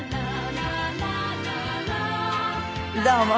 どうも。